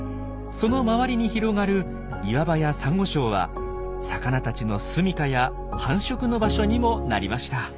その周りに広がる岩場やサンゴ礁は魚たちのすみかや繁殖の場所にもなりました。